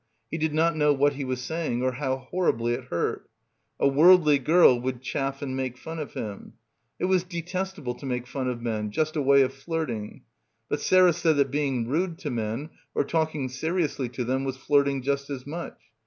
He did not know what he was saying or how horribly it hurt. A worldly girl would chaff and make fun of him. It was detestable to make fun of men; just a way of flirting. But Sarah said that being rude to men or talking seriously to them was flirting just as much.